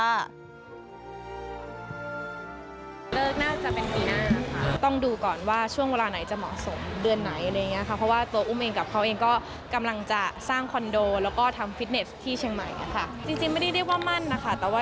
อันนี้แค่กระหลัดเดียวค่ะ